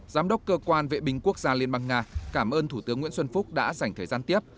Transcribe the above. giám đốc cơ quan vệ binh quốc gia liên bang nga cảm ơn thủ tướng nguyễn xuân phúc đã dành thời gian tiếp